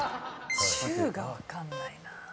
シュウが分かんないな。